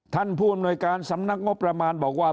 ผู้อำนวยการสำนักงบประมาณบอกว่า